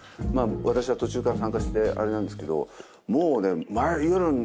私は途中から参加してあれなんですけどもうね夜ね